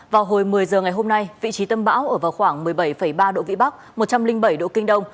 vào hồi một mươi h ngày hôm nay vị trí tâm bão ở vào khoảng một mươi bảy ba độ vĩ bắc một trăm linh bảy độ kinh đông